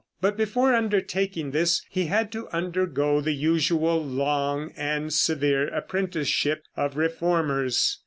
But before undertaking this he had to undergo the usual long and severe apprenticeship of reformers.